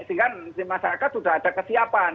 sehingga di masyarakat sudah ada kesiapan